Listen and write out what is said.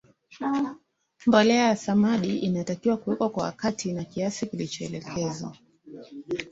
mbolea ya samadi inatakiwa kuwekwa kwa wakati na kiasi kilichoelekezwa